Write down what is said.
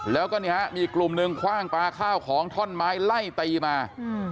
แล้วก็นี่ฮะมีอีกกลุ่มนึงคว่างปลาข้าวของท่อนไม้ไล่ตีมา